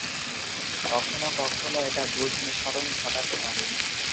কখনো কখনো এটা দুধ নিঃসরণ ঘটাতে পারে।